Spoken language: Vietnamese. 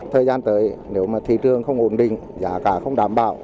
thời gian tới nếu mà thị trường không ổn định giá cả không đảm bảo